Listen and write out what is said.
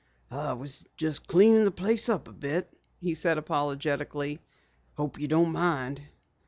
"I was just cleaning the place up a bit," he said apologetically. "Hope you don't mind."